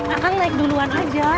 akang naik duluan aja